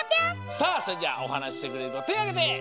さあそれじゃあおはなししてくれるこてあげて！